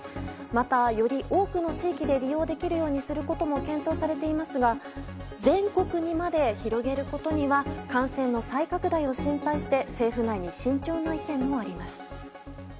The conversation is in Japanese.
また、より多くの地域で利用できるようにすることも検討されていますが全国にまで広げることには感染の再拡大を心配して政府内に慎重な意見もあります。